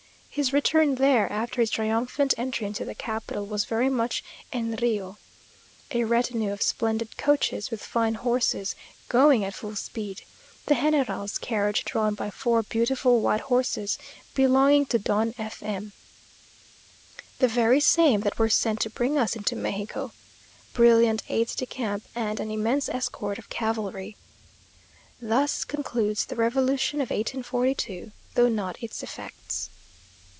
His return there, after his triumphant entry into the capital, was very much en Rio a retinue of splendid coaches with fine horses, going at full speed; the general's carriage drawn by four beautiful white horses (belonging to Don F M ; the very same that were sent to bring us into Mexico) brilliant aides de camp, and an immense escort of cavalry. Thus concludes the revolution of 1842, though not its effects.